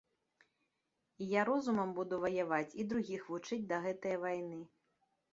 І я розумам буду ваяваць і другіх вучыць да гэтае вайны.